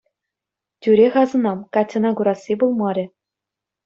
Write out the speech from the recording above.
Тӳрех асӑнам, Катьӑна курасси пулмарӗ.